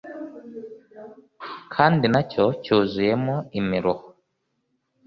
kandi na cyo cyuzuyemo imiruho